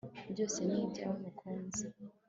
byose ni ibyawe mukunzi